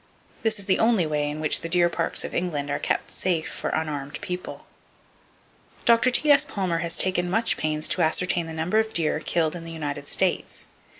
This is the only way in which the deer parks of England are kept safe for unarmed people. Dr. T.S. Palmer has taken much pains to ascertain the number of deer killed in the eastern United States.